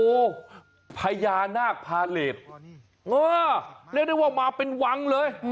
โอ้โหพญานาคพาเลสเรียกได้ว่ามาเป็นวังเลย